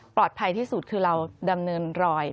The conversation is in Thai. ที่สุดคือเราดำเนินรอย